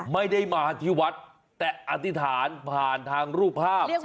ไม่ได้มาที่วัดแต่อธิษฐานผ่านทางรูปภาพ